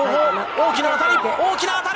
大きな当たり！